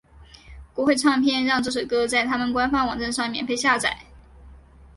国会唱片让这首歌在他们官方网站上免费下载。